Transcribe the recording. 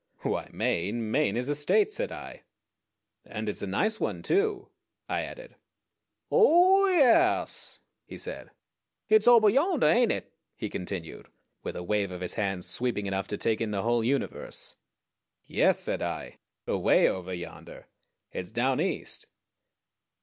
"Why, Maine Maine is a State," said I. "And it's a nice one too," I added. "Oh, yaas," he said. "Hit's ober yander, ain't it?" he continued, with a wave of his hand sweeping enough to take in the whole universe. "Yes," said I, "away over yonder. It's down East."